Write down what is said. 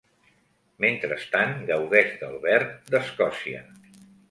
Mentrestant, gaudeix del verd d’Escòcia.